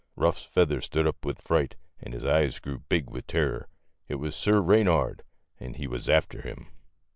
Ruff's feathers stood up with fright and his eyes grew big with terror : it was Sir Reynard, and he was after him.